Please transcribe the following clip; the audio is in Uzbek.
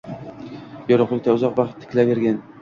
Yorug’likka uzoq vaqt tikilavergan.